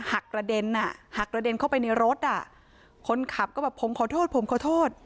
กระเด็นอ่ะหักกระเด็นเข้าไปในรถอ่ะคนขับก็บอกผมขอโทษผมขอโทษ